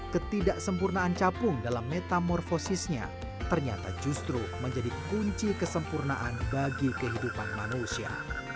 ketidaksempurnaan capung dalam metamorfosisnya ternyata justru menjadi kunci kesempurnaan bagi kehidupan manusia